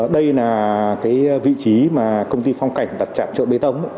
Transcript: đây là vị trí mà công ty phong cảnh đặt trạm chợ bê tống